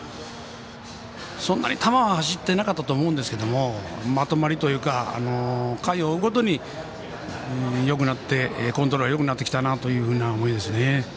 そんなに球は走っていなかったと思うんですがまとまりというか回を追うごとにコントロールがよくなってきたなという思いですね。